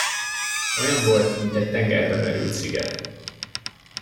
Olyan volt, mint egy tengerbe merült sziget.